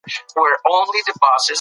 ما خپل ورور ته هېڅ ځواب ورنه کړ.